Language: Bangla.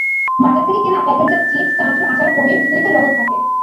বাজার থেকে কেনা প্যাকেটজাত চিপস, চানাচুর, আচার, পনির ইত্যাদিতেও লবণ থাকে।